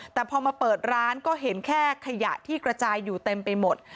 แต่พอมาเปิดร้านก็เห็นแค่ขยะที่กระจายอยู่เต็มไปหมด